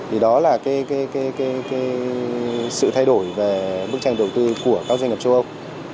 thì đó là sự thay đổi về bức tranh đầu tư của các doanh nghiệp châu âu